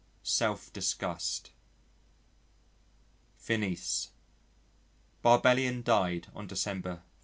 Self disgust. FINIS. [Barbellion died on December 31.